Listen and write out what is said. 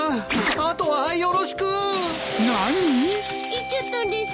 行っちゃったです。